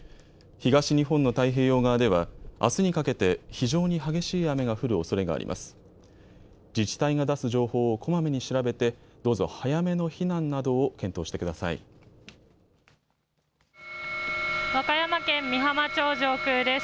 東日本の太平洋側ではあすにかけて非常に激しい雨が降るおそれがあります。